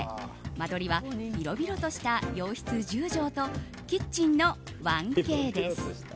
間取りは広々とした洋室１０畳とキッチンの１Ｋです。